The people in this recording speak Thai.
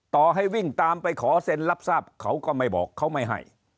ต่อให้วิ่งตามไปขอเซ็นรับทราบเขาก็ไม่บอกเขาไม่ให้